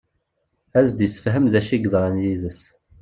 Ad as-d-isefhem d acu yeḍran d yid-s.